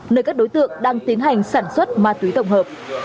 nơi các đối tượng đang tiến hành sản xuất ma túy tổng hợp